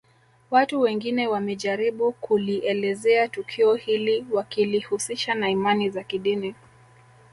Watu wengine wamejaribu kulielezea tukio hili wakilihusisha na imani za kidini